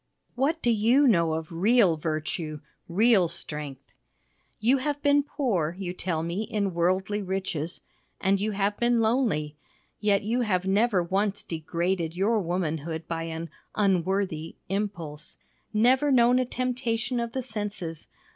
What do you know of real virtue, real strength? You have been poor, you tell me, in worldly riches, and you have been lonely, yet you have never once degraded your womanhood by an "unworthy " impulse. Never known a temptation of the senses.